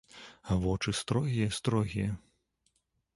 А вочы строгія, строгія.